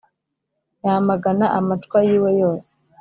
yamagana amacwa yiwe yose